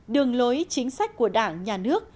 đường lối chính sách của đảng nhà nước